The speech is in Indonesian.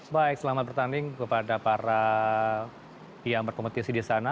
baik selamat bertanding kepada para yang berkompetisi di sana